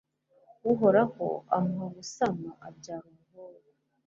uhoraho amuha gusama abyara umuhungu